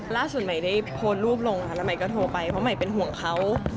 ล่าสุดใหม่ได้โพสต์รูปลงค่ะแล้วใหม่ก็โทรไปเพราะใหม่เป็นห่วงเขา